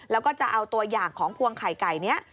แล้วก็จะเอาตัวอย่างของพวงไข่ไก่นี้